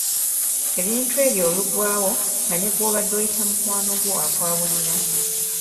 Ebintu ebyo oluggwaawo nga ne gw’obadde oyita mukwano gwo akwabulira.